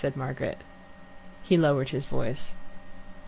said Margaret. He lowered his voice.